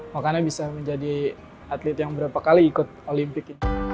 makanya bisa menjadi atlet yang berapa kali ikut olimpik